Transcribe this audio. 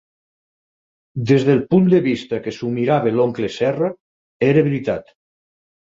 Des del punt de vista que s'ho mirava l'oncle Serra, era veritat.